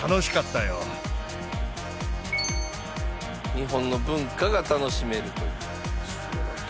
日本の文化が楽しめるという。